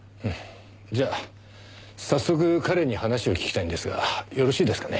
じゃあ早速彼に話を聞きたいんですがよろしいですかね？